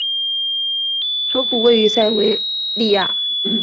首府位于塞维利亚。